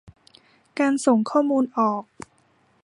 การส่งข้อมูลออก